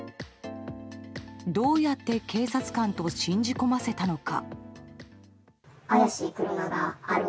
どうやって警察官と信じ込ませたのか。